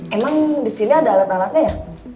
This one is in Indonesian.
emang di sini ada alat alatnya ya